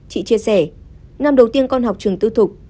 chị chia sẻ năm đầu tiên con học trường tư thục